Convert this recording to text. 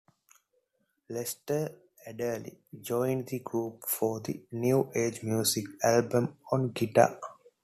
Lester Adderley joined the group for the "New Age Music" album on guitar.